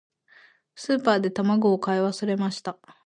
スーパーで卵を買い忘れました。